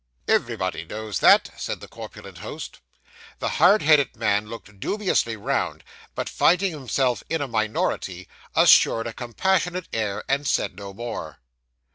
'Everybody knows that,' said the corpulent host. The hard headed man looked dubiously round, but finding himself in a minority, assumed a compassionate air and said no more.